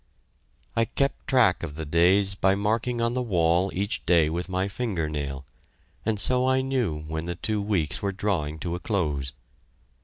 I kept track of the days by marking on the wall each day with my finger nail, and so I knew when the two weeks were drawing to a close.